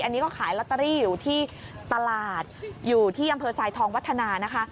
อันนี้ก็ขายลอตเตอรี่อยู่ที่ตลาดอยู่ที่อำเภอทรายทองวัฒนานะคะ